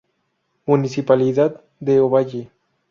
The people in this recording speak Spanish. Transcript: Municipalidad de Ovalle.